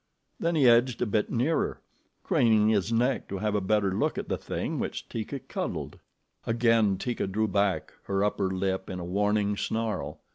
Then he edged a bit nearer, craning his neck to have a better look at the thing which Teeka cuddled. Again Teeka drew back her upper lip in a warning snarl.